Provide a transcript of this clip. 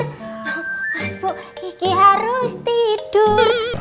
hamas bu kiki harus tidur